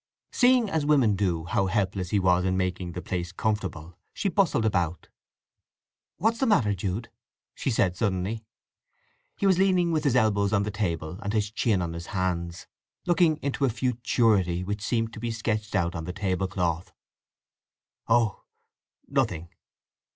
Seeing, as women do, how helpless he was in making the place comfortable, she bustled about. "What's the matter, Jude?" she said suddenly. He was leaning with his elbows on the table and his chin on his hands, looking into a futurity which seemed to be sketched out on the tablecloth. "Oh—nothing!"